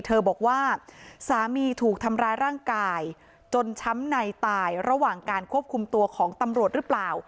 บอกว่าสามีถูกทำร้ายร่างกายจนช้ำในตายระหว่างการควบคุมตัวของตำรวจหรือเปล่า